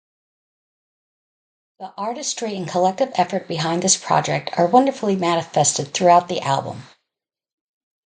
The artistry and collective effort behind this project are wonderfully manifested throughout the album.